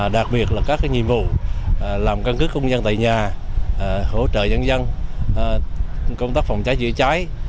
đặc biệt là các nhiệm vụ làm căn cức công dân tại nhà hỗ trợ nhân dân công tác phòng cháy dưới cháy